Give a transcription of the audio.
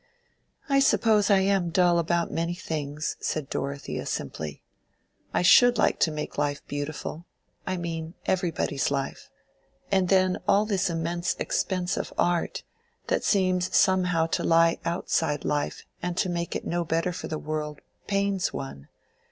"I suppose I am dull about many things," said Dorothea, simply. "I should like to make life beautiful—I mean everybody's life. And then all this immense expense of art, that seems somehow to lie outside life and make it no better for the world, pains one.